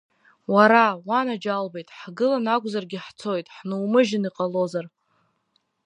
Уара, уанаџьалбеит, ҳгылан акәзаргьы ҳцоит, ҳнумыжьын иҟалозар.